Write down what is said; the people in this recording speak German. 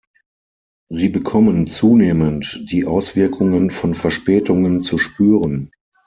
Sie bekommen zunehmend die Auswirkungen von Verspätungen zu spüren.